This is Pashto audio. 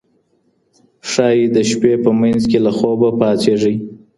ښايي د شپې په منځ کې له خوبه پاڅېږئ.